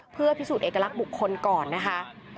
เพื่อพิสูจน์เอกลักษณ์บุคคลก่อนนะคะ